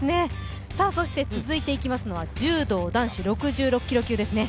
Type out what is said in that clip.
続いていきますのは、柔道男子６６キロ級ですね。